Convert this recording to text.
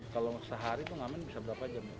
kalau sehari itu ngamen bisa berapa jam